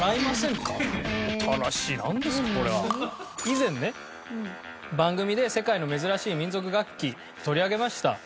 以前ね番組で世界の珍しい民族楽器取り上げました。